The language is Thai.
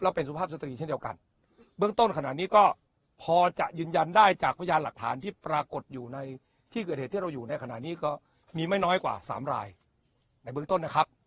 เป็นสุภาพสตรีเช่นเดียวกันเบื้องต้นขณะนี้ก็พอจะยืนยันได้จากพยานหลักฐานที่ปรากฏอยู่ในที่เกิดเหตุที่เราอยู่ในขณะนี้ก็มีไม่น้อยกว่าสามรายในเบื้องต้นนะครับ